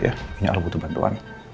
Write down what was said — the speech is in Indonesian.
kayaknya aku butuh bantuan